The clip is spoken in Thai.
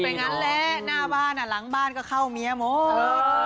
อย่างนั้นแหละหน้าบ้านหลังบ้านก็เข้าเมียหมด